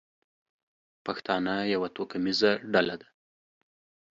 پښتانه یوه توکمیزه ډله ده.